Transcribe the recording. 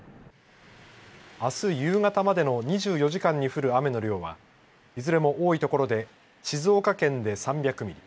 あす夕方までの２４時間に降る雨の量はいずれも多い所で静岡県で３００ミリ